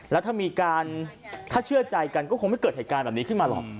แล้วถ้ามีการถ้าเชื่อใจกันก็คงไม่เกิดเหตุการณ์แบบนี้ขึ้นมาหรอก